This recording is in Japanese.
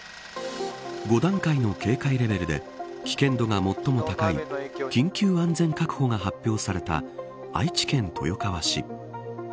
５段階の警戒レベルで危険度が最も高い緊急安全確保が発表された愛知県豊川市。